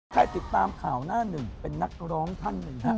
ใครติดตามข่าวหน้าหนึ่งเป็นนักร้องท่านหนึ่งฮะ